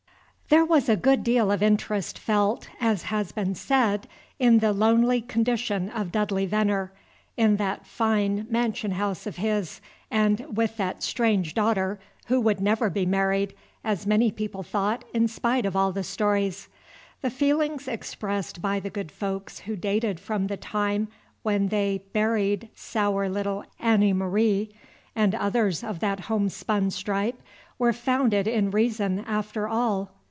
There was a good deal of interest felt, as has been said, in the lonely condition of Dudley Venner in that fine mansion house of his, and with that strange daughter, who would never be married, as many people thought, in spite of all the stories. The feelings expressed by the good folks who dated from the time when they "buried aour little Anny Mari'," and others of that homespun stripe, were founded in reason, after all.